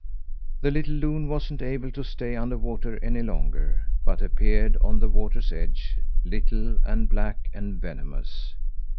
The little loon wasn't able to stay under water any longer, but appeared on the water's edge, little and black and venomous.